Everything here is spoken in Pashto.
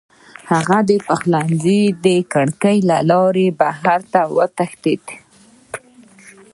هغه د پخلنځي د کړکۍ له لارې بهر وتښتېد.